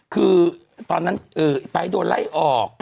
คือตอนนั้นไอ้ไป๊ต์โดนไล่ออก